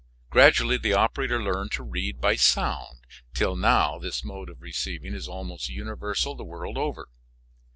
Gradually the operator learned to read by sound, till now this mode of receiving is almost universal the world over.